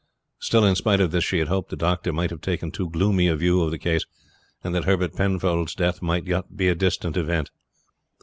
Still in spite of this she had hoped the doctor might have taken too gloomy a view of the case, and that Herbert Penfold's death might yet be a distant event.